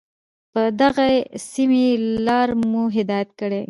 په دغي سمي لار مو هدايت كړې